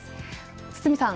堤さん